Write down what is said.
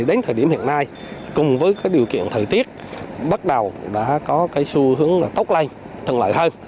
đến thời điểm hiện nay cùng với điều kiện thời tiết bắt đầu đã có xu hướng tốt lên thân lợi hơn